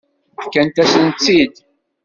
Fkant-asent-tt-id.